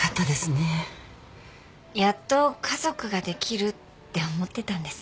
やっと家族ができるって思ってたんです。